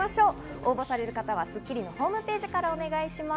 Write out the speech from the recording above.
応募される方は『スッキリ』のホームページからお願いします。